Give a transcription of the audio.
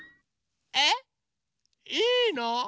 えっいいの？